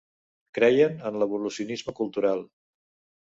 Creien en l'evolucionisme cultural.